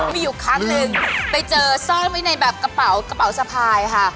มีอยู่ครั้งหนึ่งไปเจอซ่อนไว้ในแบบกระเป๋ากระเป๋าสะพายค่ะ